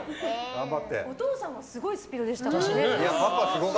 お父さんはすごいスピードでしたからね。